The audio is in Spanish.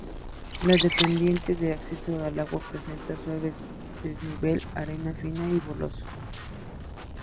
La pendiente de acceso al agua presenta suave desnivel, arena fina y bolos.